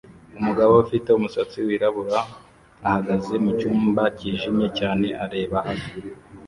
Umugabo ufite umusatsi wirabura ahagaze mucyumba cyijimye cyane areba hasi